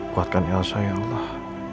kuatkan elsa ya allah